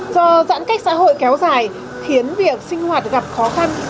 do giãn cách xã hội kéo dài khiến việc sinh hoạt gặp khó khăn